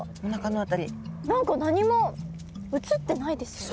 何か何もうつってないですよね。